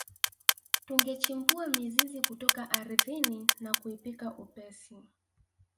Tungechimbua mizizi kutoka ardhini na kuipika upesi